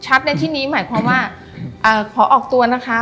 ในที่นี้หมายความว่าขอออกตัวนะคะ